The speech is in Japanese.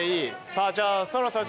さあじゃあそろそろ。